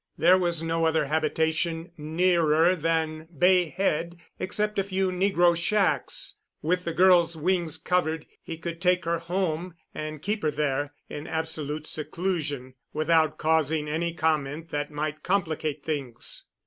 There was no other habitation nearer than Bay Head except a few negro shacks. With the girl's wings covered he could take her home and keep her there, in absolute seclusion, without causing any comment that might complicate things.